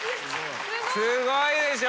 すごいでしょ。